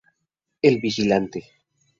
El vigilante".